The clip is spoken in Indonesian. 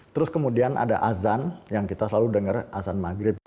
terus kemudian ada azan yang kita selalu dengar azan maghrib